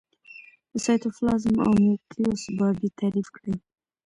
د سایتوپلازم او نیوکلیوس باډي تعریف کړي.